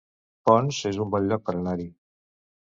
Ponts es un bon lloc per anar-hi